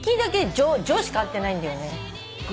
「ジョ」しか合ってないんだよね。